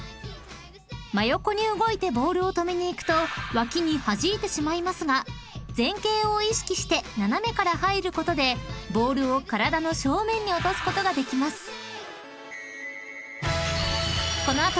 ［真横に動いてボールを止めにいくと脇にはじいてしまいますが前傾を意識して斜めから入ることでボールを体の正面に落とすことができます］